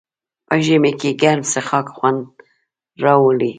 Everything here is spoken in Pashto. په ژمي کې ګرم څښاک خوند راوړي.